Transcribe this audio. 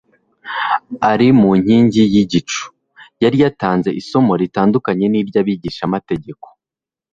ari mu nkingi y'igicu n'umuriro, yari yatanze isomo ritandukanye n'iry'abigishamategeko,